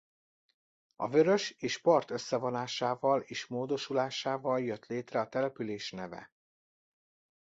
A vörös és part összevonásával és módosulásával jött létre a település neve.